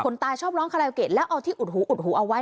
คนตายชอบร้องแล้วเอาที่อุดหูอุดหูเอาไว้